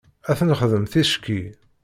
Ad t-nexdem ticki.